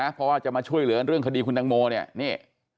เพราะว่าจะมาช่วยเหลือเรื่องคดีคุณตังโมเนี่ยนี่